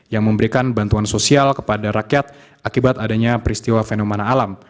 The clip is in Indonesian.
yang memberikan bantuan sosial kepada rakyat akibat adanya peristiwa fenomena alam